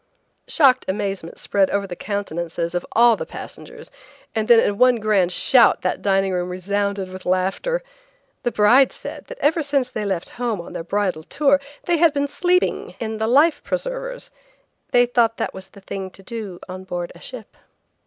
Shocked amazement spread over the countenances of all the passengers, and then in one grand shout that dining room resounded with laughter. The bride said that ever since they left home on their bridal tour they had been sleeping in the life preservers. They thought it was the thing to do on board a ship.